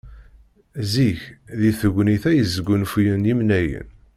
Zik deg tegnit-a i sgunfuyen yemnayen.